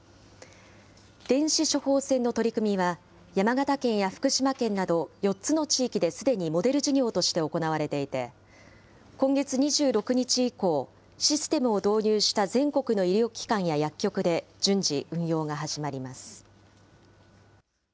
電子処方箋の取り組みは、山形県や福島県など４つの地域ですでにモデル事業として行われていて、今月２６日以降、システムを導入した全国の医療機関や薬局で順次、運用が始まります。